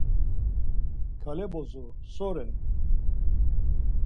Kale bozo so re?